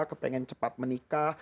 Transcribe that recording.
kepengen cepat menikah